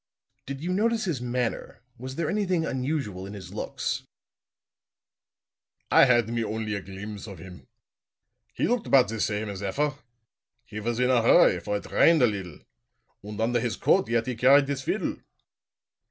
"Did you notice his manner? Was there anything unusual in his looks?" "I had me only a glimbs of him. He looked about the same as effer. He was in a hurry, for it rained a liddle; und under his coat yet he carried his fiddle."